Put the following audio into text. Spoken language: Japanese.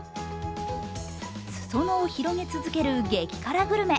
裾野を広げ続ける激辛グルメ。